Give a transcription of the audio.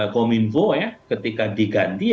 komunfo ketika diganti